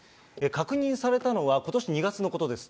確認されたのはことし２月のことです。